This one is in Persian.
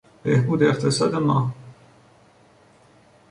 بهبود اقتصاد ما